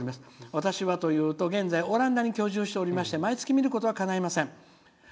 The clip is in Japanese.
私はというと現在オランダに居住しておりまして毎月見ることはかないません。